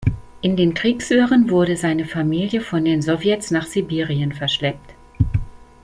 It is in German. In den Kriegswirren wurde seine Familie von den Sowjets nach Sibirien verschleppt.